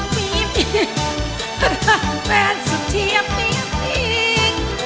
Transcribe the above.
มีแฟนสุดเทียบเทียบจริง